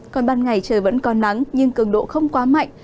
còn ban ngày trời vẫn còn nắng nhưng cường độ không quá mạnh